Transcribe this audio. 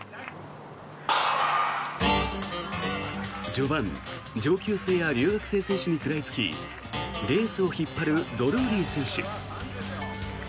序盤、上級生や留学生選手に食らいつきレースを引っ張るドルーリー選手。